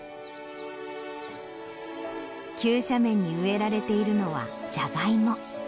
急斜面に植えられているのはジャガイモ。